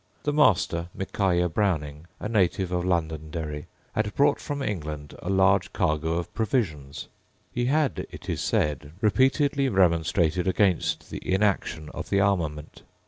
The master, Micaiah Browning, a native of Londonderry, had brought from England a large cargo of provisions. He had, it is said, repeatedly remonstrated against the inaction of the armament.